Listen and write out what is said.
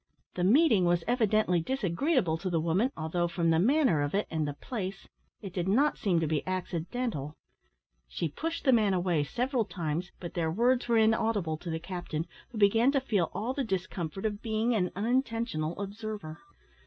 The meeting was evidently disagreeable to the woman, although, from the manner of it, and the place, it did not seem to be accidental; she pushed the man away several times, but their words were inaudible to the captain, who began to feel all the discomfort of being an unintentional observer.